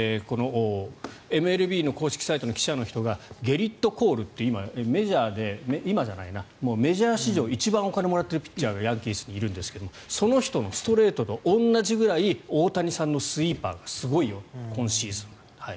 ＭＬＢの公式サイトの記者の人がゲリット・コールってメジャー史上一番お金をもらってるピッチャーがヤンキースにいるんですがその人のストレートと同じぐらい大谷さんのスイーパーがすごいよ今シーズンと。